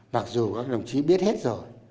mặc dù các đồng chí biết hết rồi